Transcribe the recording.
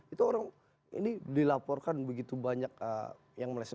itu orang ini dilaporkan begitu banyak yang meleset